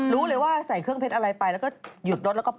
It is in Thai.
รู้เลยว่าใส่เครื่องเพชรอะไรไปแล้วก็หยุดรถแล้วก็